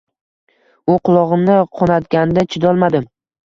U qulog‘imni qonatganda chidolmadim